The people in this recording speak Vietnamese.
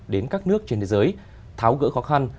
đến các nước trên thế giới tháo gỡ khó khăn